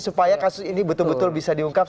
supaya kasus ini betul betul bisa diungkap